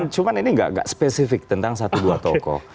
cuma ini nggak spesifik tentang satu dua tokoh